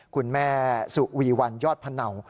คุณแม่สุวีวันยอดพะเนา